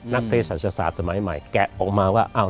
เพศศาสตร์สมัยใหม่แกะออกมาว่า